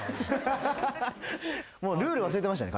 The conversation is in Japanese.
もうルール忘れてましたね。